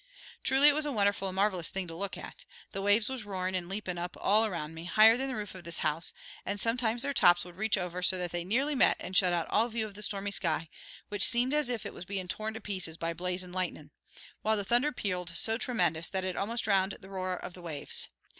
Truly it was a wonderful and marvelous thing to look at. The waves was roarin' and leapin' up all around me higher than the roof of this house, and sometimes their tops would reach over so that they nearly met and shut out all view of the stormy sky, which seemed as if it was bein' torn to pieces by blazin' lightnin', while the thunder pealed so tremendous that it almost drowned the roar of the waves.